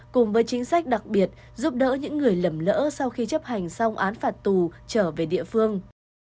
cùng với chính sách đặc biệt giúp đỡ những người lầm lỡ sau khi chấp hành xong án phạt tù trở về địa phương